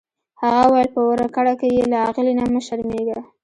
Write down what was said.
هغه وویل په ورکړه کې یې له اغلې نه مه شرمیږه.